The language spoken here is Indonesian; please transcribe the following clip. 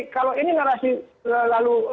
kalau ini narasi lalu